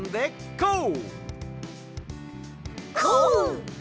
こう！